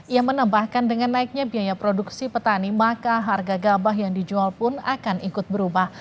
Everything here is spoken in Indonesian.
ia menambahkan dengan naiknya biaya produksi petani maka harga gabah yang dijual pun akan ikut berubah